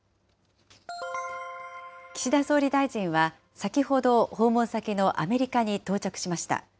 岸田総理大臣は、先ほど、訪問先のアメリカに到着しました。